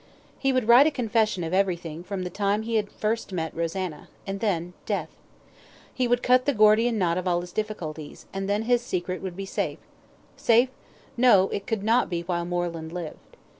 He would write a confession of everything from the time he had first met Rosanna, and then death. He would cut the Gordian knot of all his difficulties, and then his secret would be safe; safe? no, it could not be while Moreland lived.